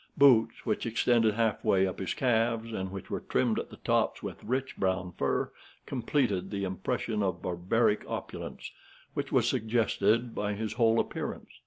Boots which extended halfway up his calves, and which were trimmed at the tops with rich brown fur, completed the impression of barbaric opulence which was suggested by his whole appearance.